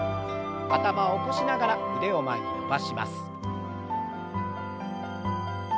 頭を起こしながら腕を前に伸ばします。